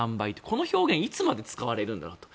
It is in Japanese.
この表現っていつまで使われるんだと。